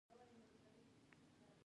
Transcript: مصنوعي ځیرکتیا د شخصي ازادۍ اغېزمنوي.